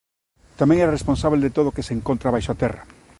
Tamén era responsábel de todo que se encontra baixo a terra.